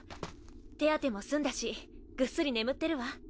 手当ても済んだしぐっすり眠ってるわ。